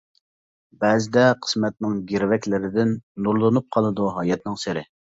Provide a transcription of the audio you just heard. بەزىدە قىسمەتنىڭ گىرۋەكلىرىدىن، نۇرلىنىپ قالىدۇ ھاياتنىڭ سىرى.